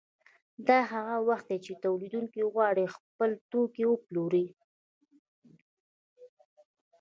دا هغه وخت دی چې تولیدونکي وغواړي خپل توکي وپلوري